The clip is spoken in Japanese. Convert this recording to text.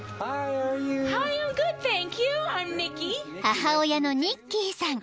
［母親のニッキーさん］